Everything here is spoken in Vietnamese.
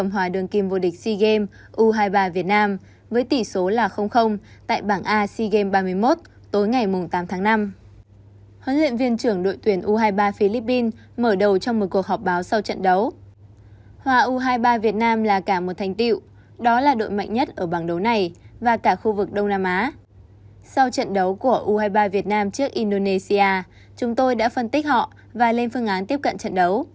hãy đăng ký kênh để ủng hộ kênh của chúng mình nhé